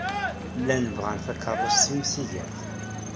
Llan bɣan takeṛṛust timsigert.